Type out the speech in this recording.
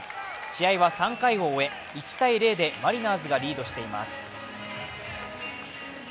試合は３回を終え、１−０でマリナーズがリードしています。